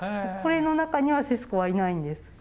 これの中にはシスコはいないんです。